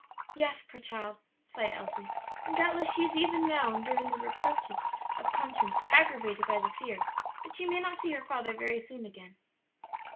"Yes, poor child!" sighed Elsie; "and doubtless she is even now enduring the reproaches of conscience aggravated by the fear that she may not see her father very soon again.